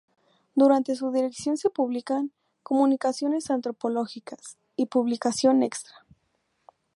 Durante su dirección se publican "Comunicaciones Antropológicas" y "Publicación Extra".